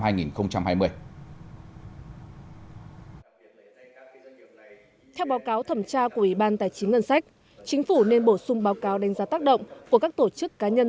theo báo cáo thẩm tra của ủy ban tài chính ngân sách chính phủ nên bổ sung báo cáo đánh giá tác động của các tổ chức cá nhân